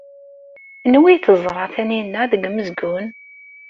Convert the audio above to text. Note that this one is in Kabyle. Anwa ay teẓra Taninna deg umezgun?